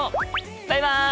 バイバイ！